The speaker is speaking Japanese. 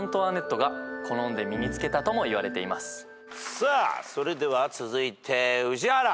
さあそれでは続いて宇治原。